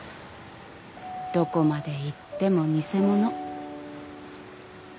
どこまでいっても偽物。